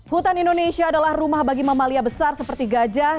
hutan indonesia adalah rumah bagi mamalia besar seperti gajah